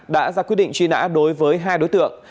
đã ra quyết định truy nã đối với hai đối tượng